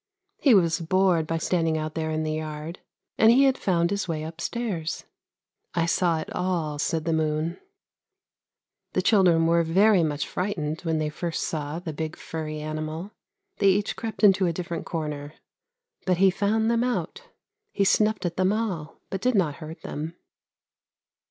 He was bored by standing out there in the yard, and he had found his way upstairs. I saw it all," said the moon. ' The children were very much frightened when they first saw the big furry animal; they each crept into a different corner, but he found them out. He snuffed at them all/; but did not hurt them.